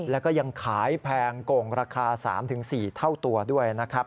แล้วก็ยังขายแพงโก่งราคา๓๔เท่าตัวด้วยนะครับ